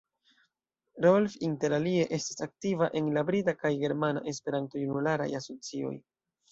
Rolf interalie estas aktiva en la brita kaj germana Esperanto-junularaj asocioj.